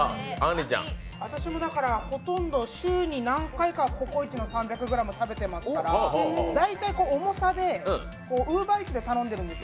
私もほとんど週に何回かはココイチの３００ｇ食べてますから大体重さで、ＵｂｅｒＥａｔｓで頼んでいるんです。